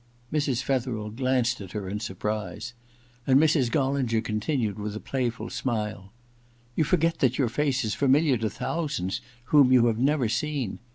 Mrs. Fetherel glanced at her in surprise, and Mrs. GoUinger continued with a playful smile :* You forget that your face is faniiliar to thou sands whom you have never seen.